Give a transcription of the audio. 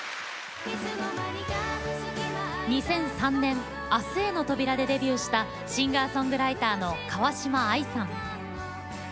２００３年「明日への扉」でデビューしたシンガーソングライターの川嶋あいさん。